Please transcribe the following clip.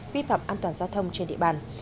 vi phạm an toàn giao thông trên địa bàn